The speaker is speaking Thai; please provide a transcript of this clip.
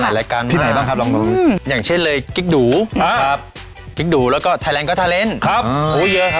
หลายรายการครับผมออกมาหลายรายการมา